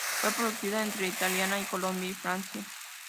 Fue producida entre Italia, Colombia y Francia.